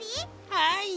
はい。